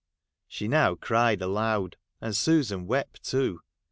' She now cried aloud ; and Susan wept too.